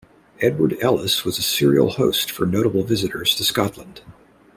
Edward Ellice was a serial host for notable visitors to Scotland.